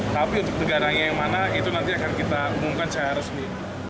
tapi untuk negaranya yang mana itu nanti akan kita umumkan secara resmi